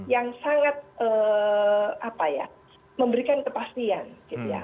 yang sangat apa ya memberikan kepastian gitu ya